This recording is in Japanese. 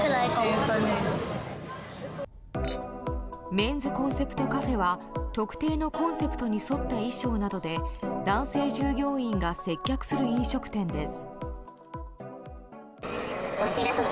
メンズコンセプトカフェは特定のコンセプトに沿った衣装などで男性従業員が接客する飲食店です。